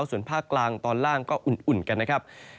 ส่วนภาคกลางตอนล่างก็อุ่นกันนะครับ